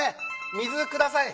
水ください！